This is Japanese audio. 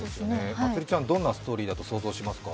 まつりちゃん、どんなストーリーだと想像しますか？